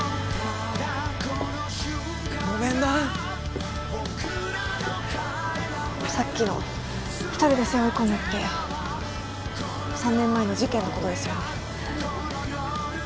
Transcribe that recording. ごめんなさっきの一人で背負い込むって３年前の事件のことですよね？